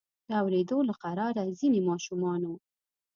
د اوریدو له قراره ځینې ماشومانو.